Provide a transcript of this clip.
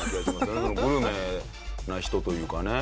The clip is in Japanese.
グルメな人というかね。